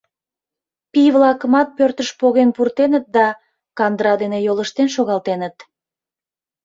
Пий-влакымат пӧртыш поген пуртеныт да кандыра дене йолыштен шогалтеныт.